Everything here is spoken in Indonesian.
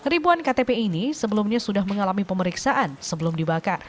ribuan ktp ini sebelumnya sudah mengalami pemeriksaan sebelum dibakar